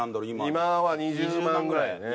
今は２０万ぐらいやね。